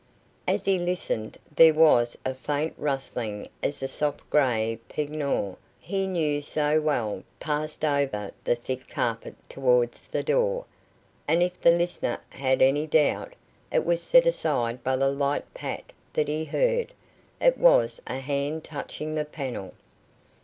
As he listened there was a faint rustling as the soft grey peignoir he knew so well passed over the thick carpet towards the door; and if the listener had any doubt, it was set aside by the light pat that he heard it was a hand touching the panel.